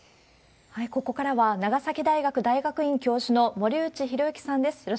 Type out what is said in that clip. ここからは、長崎大学大学院教授の森内浩幸さんです。